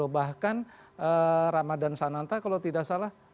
bahkan ramadan sananta kalau tidak salah